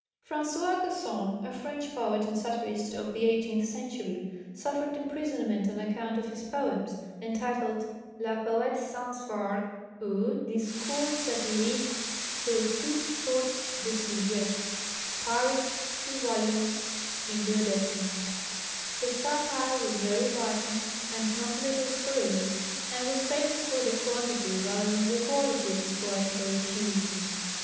François Gacon, a French poet and satirist of the eighteenth century, suffered imprisonment on account of his poems, entitled Le Poëte sans fard, ou Discours satyriques sur toutes sortes de sujets (Paris, 2 vols., in 12). His satire was very biting and not a little scurrilous, and was famous for the quantity rather than the quality of his poetical effusions.